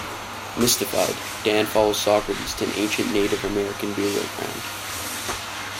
Mystified, Dan follows Socrates to an ancient Native American burial ground.